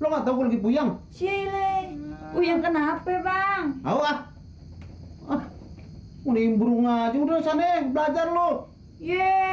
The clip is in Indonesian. lu nggak tahu lagi puyeng sileh uyang kenapa bang ah ah ini burung aja udah sana belajar lo ye